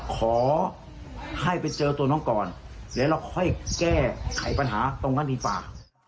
ขอให้ไปเจอตัวน้องก่อนเดี๋ยวเราค่อยแก้ไขปัญหาตรงนั้นดีกว่า